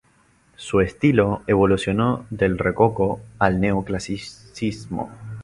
Su estilo evolucionó del rococó al neoclasicismo.